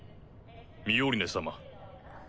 ・ミオリネ様。